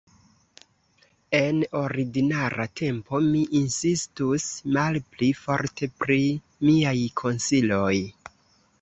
En ordinara tempo mi insistus malpli forte pri miaj konsiloj!